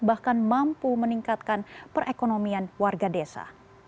bahkan mampu meningkatkan perekonomian warga desa